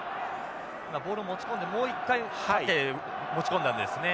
ボールを持ち込んでもう一回縦持ち込んだんですね。